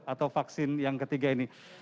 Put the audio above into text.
atau vaksin yang ketiga ini